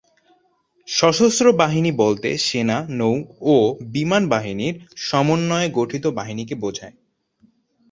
সশস্ত্র বাহিনী বলতে সেনা, নৌ ও বিমান বাহিনীর সমন্বয়ে গঠিত বাহিনীকে বোঝায়।